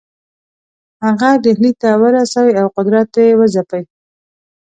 هغه ډهلي ته ورسي او قدرت وځپي.